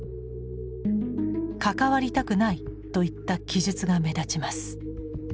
「関わりたくない」といった記述が目立ちます。